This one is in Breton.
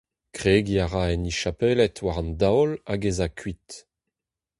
Kregiñ a ra en he chapeled war an daol hag ez a kuit.